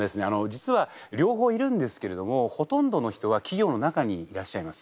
実は両方いるんですけれどもほとんどの人は企業の中にいらっしゃいます。